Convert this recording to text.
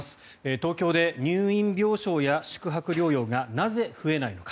東京で入院病床や宿泊療養がなぜ増えないのか。